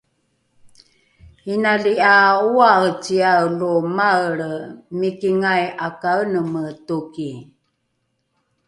inali ’a oaeciae lo maelre mikingai ’akaeneme toki